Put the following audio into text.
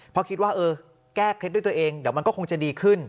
เพราะคิดว่าเออแก้เคล็ดด้วยตัวเองเดี๋ยวมันก็คงจะดีขึ้น